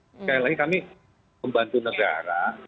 sekali lagi kami membantu negara